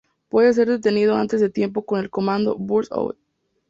Puede ser detenido antes de tiempo con el comando "Burst Out".